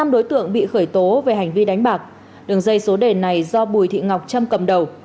năm đối tượng bị khởi tố về hành vi đánh bạc đường dây số đề này do bùi thị ngọc trâm cầm đầu